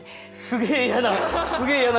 すげえ嫌な。